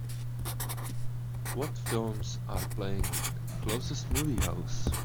What films are playing at the closest movie house